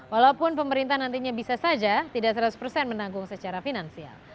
walaupun pemerintah nantinya bisa saja tidak seratus persen menanggung secara finansial